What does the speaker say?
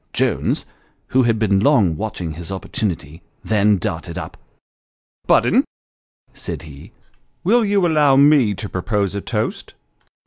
Jones, who had been long watching his opportunity, then darted up. " Budden," said he, " will you allovr me to propose a toast